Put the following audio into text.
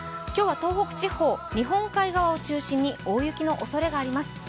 今日は東北地方、日本海側を中心に大雪のおそれがあります。